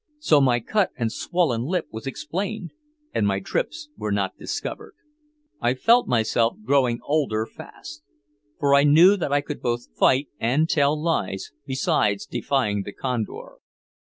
So my cut and swollen lip was explained, and my trips were not discovered. I felt myself growing older fast. For I knew that I could both fight and tell lies, besides defying the Condor.